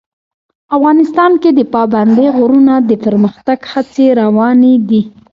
افغانستان کې د پابندی غرونه د پرمختګ هڅې روانې دي.